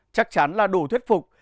chắc chắn là đủ thuyết phục